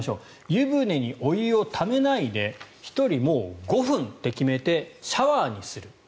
湯船にお湯をためないで１人５分と決めてシャワーにする。